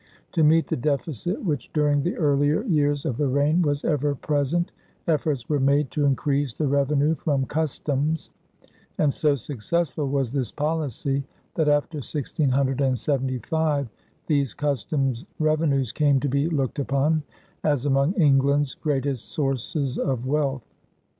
To meet the deficit which during the earlier years of the reign was ever present, efforts were made to increase the revenue from customs, and so successful was this policy that, after 1675, these customs revenues came to be looked upon as among England's greatest sources of wealth.